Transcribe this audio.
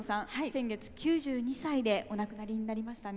先月９２歳でお亡くなりになりましたね。